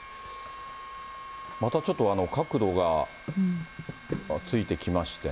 またちょっと角度がついてきましてね。